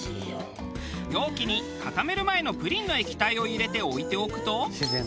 容器に固める前のプリンの液体を入れて置いておくと。